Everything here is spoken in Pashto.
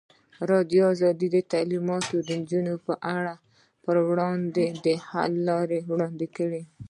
ازادي راډیو د تعلیمات د نجونو لپاره پر وړاندې د حل لارې وړاندې کړي.